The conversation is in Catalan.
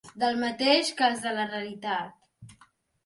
Del mateix que els de la realitat.